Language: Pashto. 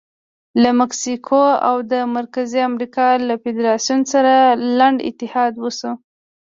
له مکسیکو او د مرکزي امریکا له فدراسیون سره لنډ اتحاد وشو.